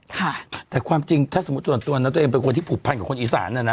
คะแต่ว่าสมมติถ้าให้เป็นคนผูกพันกับคนอิสาน